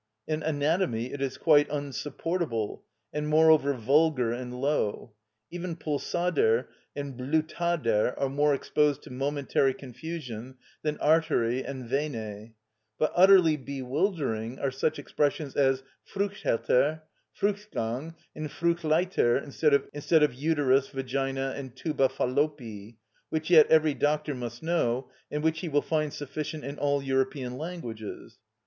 In Anatomy it is quite unsupportable, and moreover vulgar and low. Even "Pulsader" and "Blutader" are more exposed to momentary confusion than "Arterie" and "Vene;" but utterly bewildering are such expressions as "Fruchthälter," "Fruchtgang," and "Fruchtleiter" instead of "uterus," "vagina," and "tuba Faloppii," which yet every doctor must know, and which he will find sufficient in all European languages.